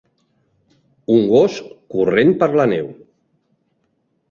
Un gos corrent per la neu.